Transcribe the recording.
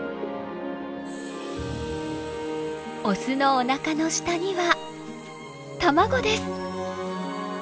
オスのおなかの下には卵です。